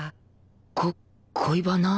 こ恋バナ？